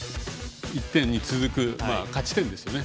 １点に続く勝ち点ですよね。